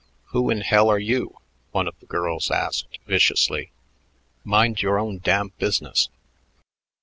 "Who in hell are you?" one of the girls asked viciously. "Mind your own damn business."